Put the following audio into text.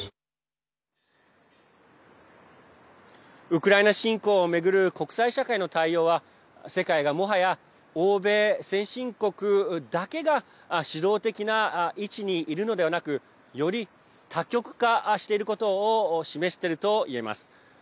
ウクライナ侵攻を巡る国際社会の対応は世界が、もはや欧米先進国だけが指導的な位置にいるのではなくより多極化していることを示していると言えます。